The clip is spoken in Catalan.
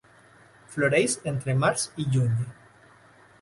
Floreix entre març i juny.